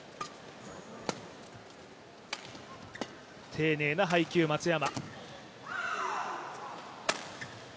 丁寧な配球、松山。